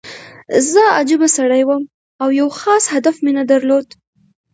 زه عجیبه سړی وم او یو خاص هدف مې نه درلود